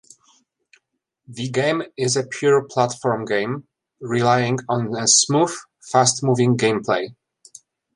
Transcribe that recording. The game is a pure platform game, relying on smooth, fast-moving gameplay.